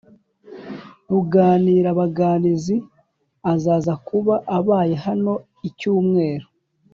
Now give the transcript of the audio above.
Ruganirabaganizi azaza kuba abaye hano icyumweru